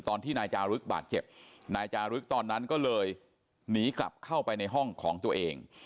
ตอนที่นายจารึกบาดเจ็บนายจารึกตอนนั้นก็เลยหนีกลับเข้าไปในห้องของตัวเอง